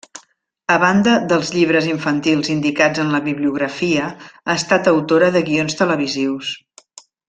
A banda dels llibres infantils indicats en la Bibliografia, ha estat autora de guions televisius.